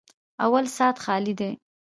_اول سات خالي دی.